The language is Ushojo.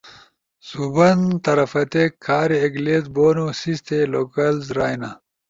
سُوبن طرفتے کھارے ایک لسٹ بونو سیستے لوکلز رائینا۔